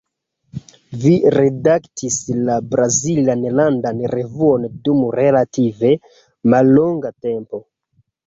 Vi redaktis la brazilan landan revuon dum relative mallonga tempo.